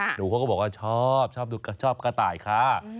หนูเขาก็บอกว่าชอบชอบกระต่ายค่ะ